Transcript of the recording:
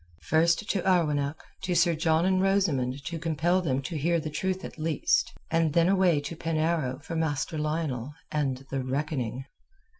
First to Arwenack to Sir John and Rosamund to compel them to hear the truth at least, and then away to Penarrow for Master Lionel and the reckoning.